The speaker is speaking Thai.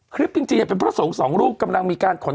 คลิปจริงเป็นพระสงฆ์สองรูปกำลังมีการขน